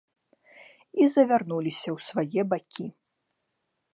І завярнуліся ў свае бакі.